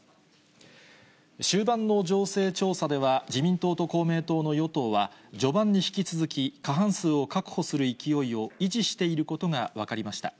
終盤の情勢調査では、自民党と公明党の与党は、序盤に引き続き、過半数を確保する勢いを維持していることが分かりました。